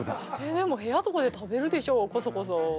でも部屋とかで食べるでしょこそこそ。